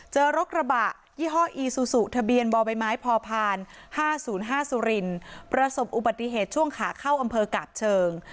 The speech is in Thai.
เจอรกระบะยี่ห้ออีซูซูทะเบียนบ่อใบไม้พอผ่าน๕๐๕สุรินประสบอุบัติเหตุช่วงขาเข้าอำเภอกาบเชิง